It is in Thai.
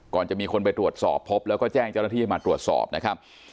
ก่อนจะมีคนไปตรวจสอบพบแล้วก็แจ้งเจ้าหน้าที่ให้มาตรวจสอบนะครับ